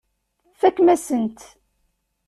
Tfakem-asen-t.